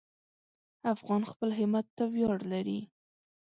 افغان خپل همت ته ویاړ لري.